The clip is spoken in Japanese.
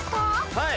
はい。